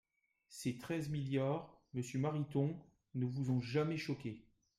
Ces treize milliards, monsieur Mariton, ne vous ont jamais choqué.